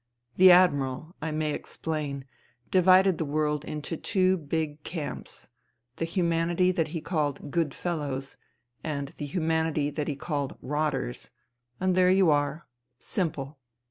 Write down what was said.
The Admiral, I may explain, divided the world into two big camps : the humanity that he called " good fellows,'* and the humanity that he called " rotters "— and there you are I Simple.